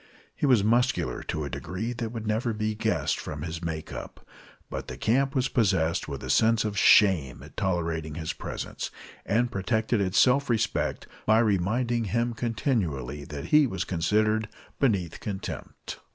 He was muscular to a degree that would never be guessed from his make up, but the camp was possessed with a sense of shame at tolerating his presence, and protected its self respect by reminding him continually that he was considered beneath contempt.